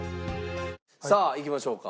さあいきましょうか。